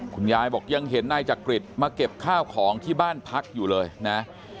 คุณยายบอกยังเห็นนายจักริตมาเก็บข้าวของที่บ้านพักอยู่เลยนะ